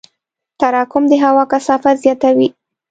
تراکم د هوا کثافت زیاتوي.